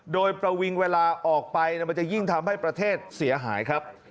โดยประวิงเวลาออกไปมันจะยิ่งทำให้ประเทศเสียหายครับ